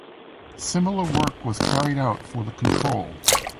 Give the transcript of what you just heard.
Similar work was carried out for the control.